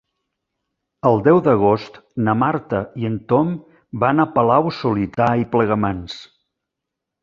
El deu d'agost na Marta i en Tom van a Palau-solità i Plegamans.